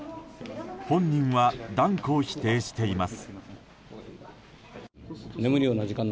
本人は断固否定しています。